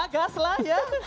ah gas lah ya